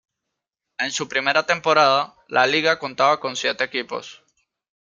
En su primera temporada, la liga contaba con siete equipos.